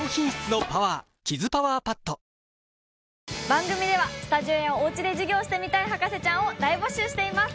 番組ではスタジオやおうちで授業してみたい博士ちゃんを大募集しています。